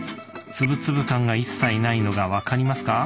つぶつぶ感が一切ないのが分かりますか？